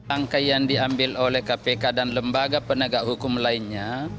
angka yang diambil oleh kpk dan lembaga penegak hukum lainnya